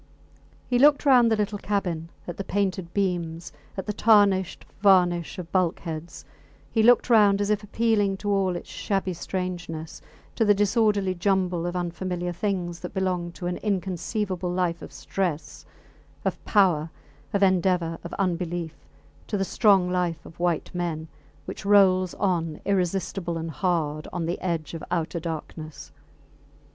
He looked round the little cabin, at the painted beams, at the tarnished varnish of bulkheads; he looked round as if appealing to all its shabby strangeness, to the disorderly jumble of unfamiliar things that belong to an inconceivable life of stress, of power, of endeavour, of unbelief to the strong life of white men, which rolls on irresistible and hard on the edge of outer darkness.